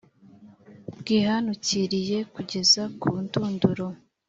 bwihanukiriye kugeza ku ndunduro,